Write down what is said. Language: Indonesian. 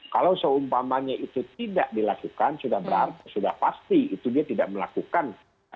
kalau seumpamanya itu tidak dilakukan sudah berarti sudah pasti itu dia tidak melakukan